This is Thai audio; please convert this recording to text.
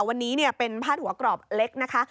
วันนี้เป็นพาดหัวกรอบเล็กนะคะ